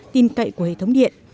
tin cậy của hệ thống điện